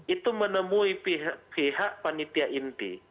itu menemui pihak panitia inti